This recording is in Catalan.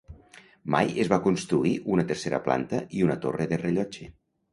Mai es va construir una tercera planta i una torre de rellotge.